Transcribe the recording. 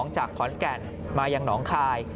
จากขอนแก่นมายังหนองคาย